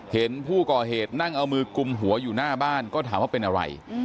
เห็นผู้ก่อเหตุนั่งเอามือกุมหัวอยู่หน้าบ้านก็ถามว่าเป็นอะไร